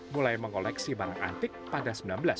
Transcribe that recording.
mulai mengoleksi barang antik pada seribu sembilan ratus sembilan puluh